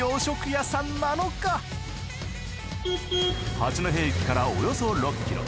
八戸駅からおよそ６キロ。